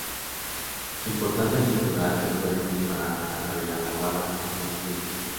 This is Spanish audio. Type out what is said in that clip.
Su importancia cultural se puede comparar a la de la fabada en Asturias.